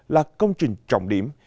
là công trình trọng điểm